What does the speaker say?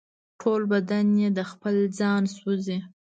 ټول بدن یې د خپل ځانه سوزي